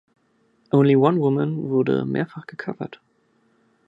Only One Woman wurde mehrfach gecovert.